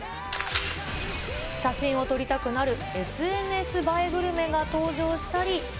写真を撮りたくなるＳＮＳ映えグルメが登場したり。